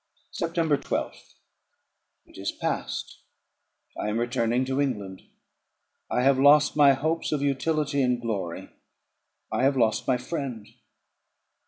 September 12th. It is past; I am returning to England. I have lost my hopes of utility and glory; I have lost my friend.